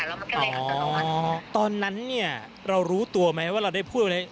แล้วมันเป็นอันตรายอ๋อตอนนั้นเนี่ยเรารู้ตัวไหมว่าเราได้พูดอะไร